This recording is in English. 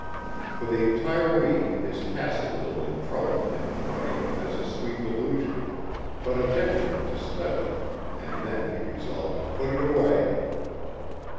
For the entire week his castle building troubled him in a way, as a sweet delusion, but a detriment to study, and then he resolved to put it away.